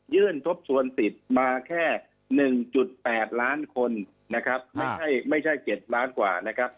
ยื่นทบส่วนสิทธิ์มาแค่หนึ่งจุดแปดล้านคนนะครับไม่ใช่ไม่ใช่เจ็ดล้านกว่านะครับ